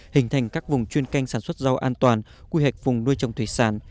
hình thành các vùng chuyên canh sản xuất rau an toàn quy hoạch vùng nuôi trồng thủy sản